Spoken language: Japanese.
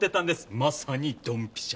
まさにドンピシャ！